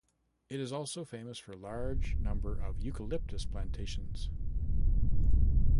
It is also famous for large number of "Eucalyptus" plantations.